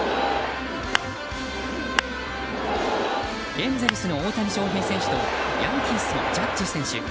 エンゼルスの大谷翔平選手とヤンキースのジャッジ選手。